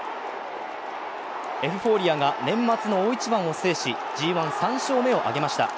エフフォーリアが年末の大一番を制し、ＧⅠ、３勝目を挙げました。